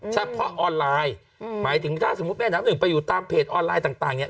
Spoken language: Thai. ออนไลน์หมายถึงถ้าสมมุติแม่น้ำหนึ่งไปอยู่ตามเพจออนไลน์ต่างเนี่ย